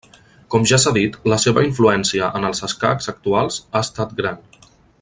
Com ja s'ha dit, la seva influència en els escacs actuals ha estat gran.